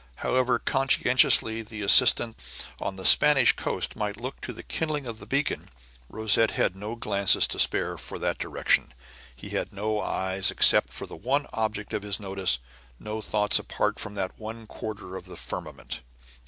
However conscientiously the assistant on the Spanish coast might look to the kindling of the beacon, Rosette had no glances to spare for that direction; he had no eyes except for the one object of his notice, no thoughts apart from that one quarter of the firmament.